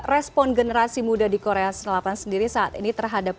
respon generasi muda di korea selatan sendiri saat ini terhadap